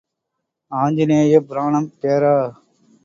ஆஞ்சநேய புராணம் பேரா.